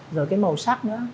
rồi cái màu sắc nữa